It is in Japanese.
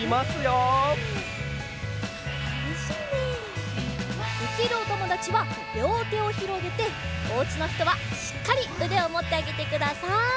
できるおともだちはりょうてをひろげておうちのひとはしっかりうでをもってあげてください。